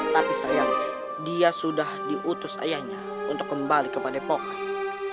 tapi sayang dia sudah diutus ayahnya untuk kembali ke padepokan